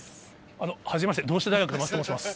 あのはじめまして、同志社大学の桝と申します。